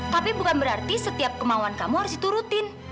tapi bukan berarti setiap kemauan kamu harus itu rutin